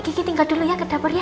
gigi tinggal dulu ya ke dapur ya